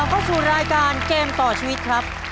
เข้าสู่รายการเกมต่อชีวิตครับ